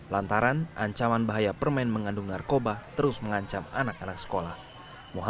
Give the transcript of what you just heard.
lantaran ancaman bahaya permen mengandung narkoba terus mengancam anak anak sekolah